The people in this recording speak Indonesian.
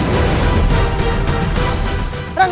raka soekar berhenti